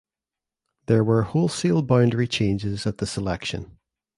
There were wholesale boundary changes at this election.